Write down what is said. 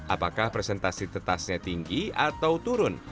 apakah presentasi tetasnya tinggi atau turun